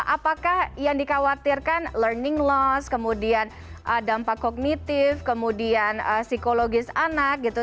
apakah yang dikhawatirkan learning loss kemudian dampak kognitif kemudian psikologis anak gitu